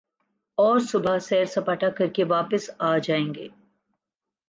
اور صبح سیر سپاٹا کر کے واپس آ جائیں گے ۔